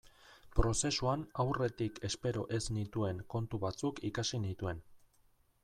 Prozesuan aurretik espero ez nituen kontu batzuk ikasi nituen.